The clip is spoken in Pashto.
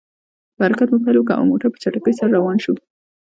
په حرکت مو پیل وکړ، او موټر په چټکۍ سره روان شو.